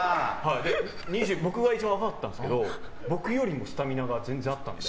僕が一番若かったんですけど僕よりもスタミナが全然あったので。